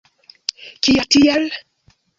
Kial tiel?